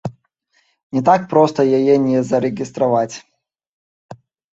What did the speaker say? Не так проста яе не зарэгістраваць.